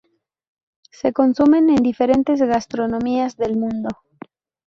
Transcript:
Se consumen en diferentes gastronomías del mundo.